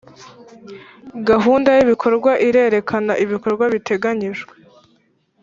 gahunda y’ibikorwa irerekana ibikorwa biteganyijwe